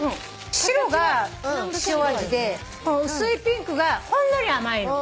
白が塩味で薄いピンクがほんのり甘いの。